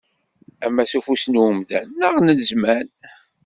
Ama s ufus n umdan neɣ n zzman.